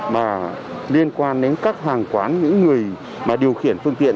mà liên quan đến các hàng quán những người mà điều khiển phương tiện